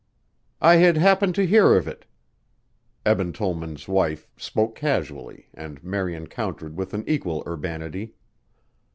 "I had happened to hear of it." Eben Tollman's wife spoke casually and Marion countered with an equal urbanity.